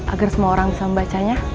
agar semua orang bisa membacanya